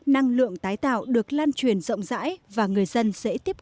năng lượng tái tạo được lan truyền rộng rãi và người dân dễ tiếp cận